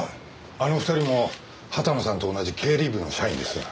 あの２人も畑野さんと同じ経理部の社員です。